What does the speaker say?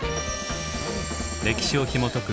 歴史をひもとく